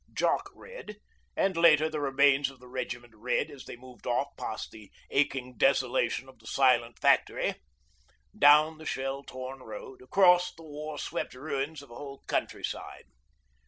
Jock read, and later the remains of the Regiment read as they moved off past the aching desolation of the silent factory, down the shell torn road, across the war swept ruins of a whole country side.